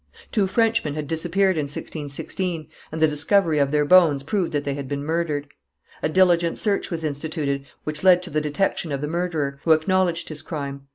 Two Frenchmen had disappeared in 1616, and the discovery of their bones proved that they had been murdered. A diligent search was instituted which led to the detection of the murderer, who acknowledged his crime.